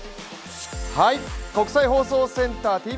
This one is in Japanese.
国際放送センター